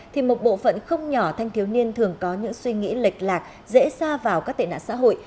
thì một bộ phận không nhỏ thanh thiếu niên thường có những suy nghĩ lệch lạc dễ xa vào các tệ nạn xã hội